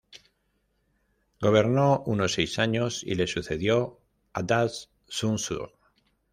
Gobernó unos seis años y le sucedió Adad-shum-usur.